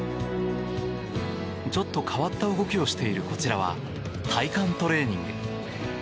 ちょっと変わった動きをしているこちらは、体幹トレーニング。